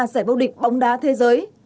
sải bốc địch bóng đá thế giới